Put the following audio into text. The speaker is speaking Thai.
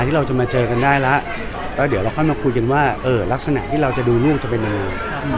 ที่จะมาเจอกันได้แล้วเดี๋ยวเราก็มาคุยกันลักษณะที่เราจะดูกันจะเป็นยังไง